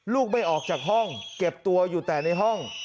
ไม่ออกจากห้องเก็บตัวอยู่แต่ในห้อง